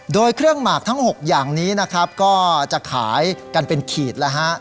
โดยเครื่องหมากทั้ง๖อย่างนี้นะครับก็จะขายกันเป็นขีดแล้วฮะ